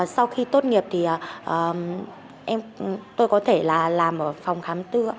sau khi tốt nghiệp thì tôi có thể là làm ở phòng khám tư